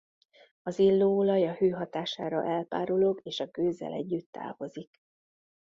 Az illóolaj a hő hatására elpárolog és a gőzzel együtt távozik.